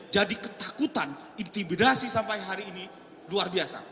jadi ketakutan intimidasi sampai hari ini luar biasa